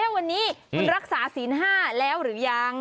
วันนี้คุณรักษาศีล๕แล้วหรือยัง